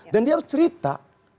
dan dia harus cerita